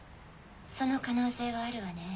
その可能性はあるわね。